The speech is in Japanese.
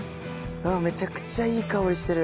めちゃくちゃいい香りしてる。